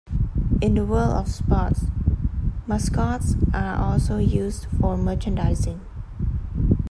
In the world of sports, mascots are also used for merchandising.